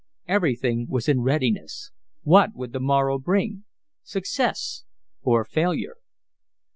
Everything was in readiness. What would the morrow bring success or failure?